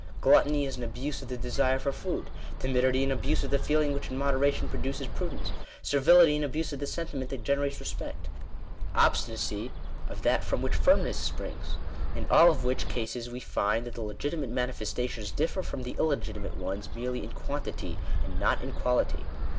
Gluttony is an abuse of the desire for food; timidity, an abuse of the feeling which in moderation produces prudence; servility, an abuse of the sentiment that generates respect; obstinacy, of that from which firmness springs : in all of which cases we find that the legitimate mani festations differ from the illegitimate ones, merely in quantity, and not in quality.